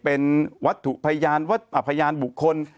เป็นวัดทกอาพยานบุคคล